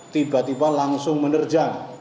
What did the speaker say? tiba tiba langsung menerjang